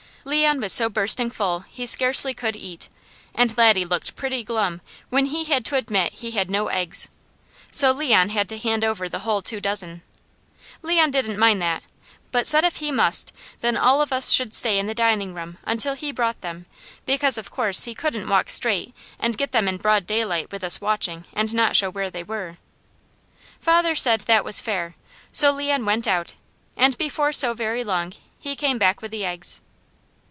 Leon was so bursting full he scarcely could eat, and Laddie looked pretty glum when he had to admit he had no eggs; so Laddie had to hand over the whole two dozen. Leon didn't mind that, but he said if he must, then all of us should stay in the dining room until he brought them, because of course he couldn't walk straight and get them in broad daylight with us watching, and not show where they were. Father said that was fair, so Leon went out and before so very long he came back with the eggs.